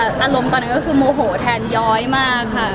อารมณ์ตอนนั้นก็คือโมโหแทนย้อยมากค่ะ